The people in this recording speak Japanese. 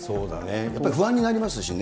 やっぱり不安になりますしね。